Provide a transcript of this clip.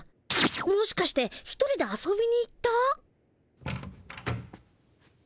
もしかして１人で遊びに行った？